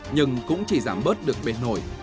nhưng cũng chỉ giảm bớt được bệt nổi